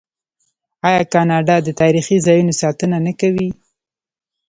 آیا کاناډا د تاریخي ځایونو ساتنه نه کوي؟